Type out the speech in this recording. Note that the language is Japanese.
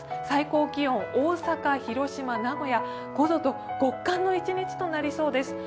最高気温、大阪、広島、名古屋、５度と極寒の一日となりそうです。